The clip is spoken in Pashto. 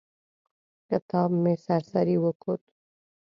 کتاب مې سر سري وکوت.